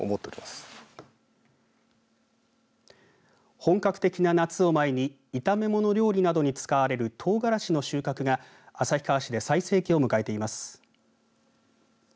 本格的な夏を前に炒め物料理などに使われるトウガラシの収穫が旭川市で最盛期を迎えています。